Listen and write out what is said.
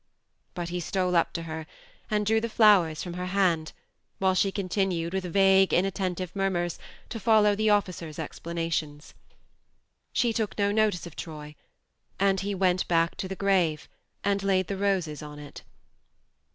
But he stole up to her and drew the flowers from her hand, while she continued, with vague inattentive murmurs, to follow the officer's explanations. She took no notice of Troy, and he went 34 THE MARNE back to the grave and laid the roses on it.